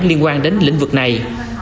liên quan đến lĩnh vực này